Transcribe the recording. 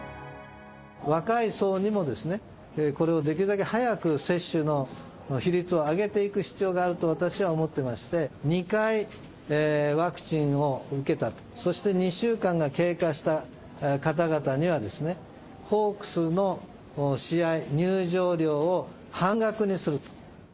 若い層にもですね、これをできるだけ早く接種の比率を上げていく必要があると私は思ってまして、２回ワクチンを受けたと、そして２週間が経過した方々には、ホークスの試合、入場料を半額にする。